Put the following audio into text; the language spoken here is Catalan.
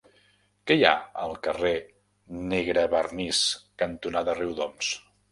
Què hi ha al carrer Negrevernís cantonada Riudoms?